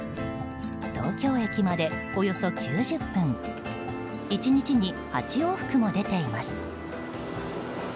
東京駅までおよそ９０分１日に８往復も出ています。